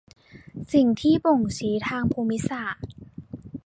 สิ่งที่บ่งชี้ทางภูมิศาสตร์